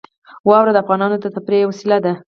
واوره د افغانانو د تفریح یوه وسیله ده.